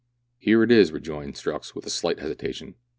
" Here it is," rejoined Strux, with a slight hesitation.